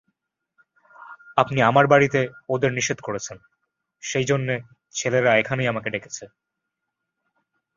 আপনি আমার বাড়িতে ওদের নিষেধ করেছেন সেইজন্যে ছেলেরা এখানেই আমাকে ডেকেছে।